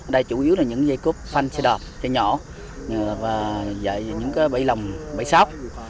đây chủ yếu là những dây cốt phanh xe đạp dây nhỏ dạy những bẫy lồng bẫy sáp